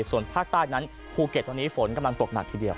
ส่วนภาคใต้นั้นภูเก็ตตอนนี้ฝนกำลังตกหนักทีเดียว